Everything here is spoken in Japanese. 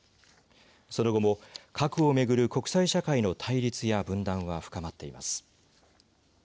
その後も核を巡る国際社会の対立や分断は深まっています。